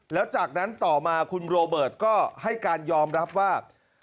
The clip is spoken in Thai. แล้วจากนั้นต่อมาคุณโรเบิร์ตก็ให้การยอมรับว่า